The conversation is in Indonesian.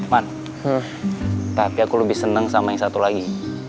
man tapi aku lebih senang sama yang satu lagi